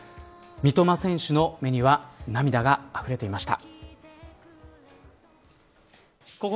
三笘選手の目には涙があふれていました。